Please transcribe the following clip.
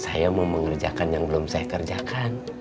saya mau mengerjakan yang belum saya kerjakan